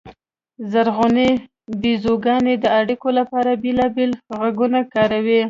زرغونې بیزوګانې د اړیکو لپاره بېلابېل غږونه کاروي.